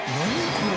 これ。